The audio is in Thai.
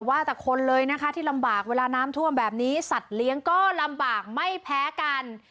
ว่าแต่คนเลยนะคะที่ลำบากเวลาน้ำท่วมแบบนี้สัตว์เลี้ยงก็ลำบากไม่แพ้กัน